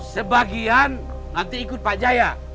sebagian nanti ikut pak jaya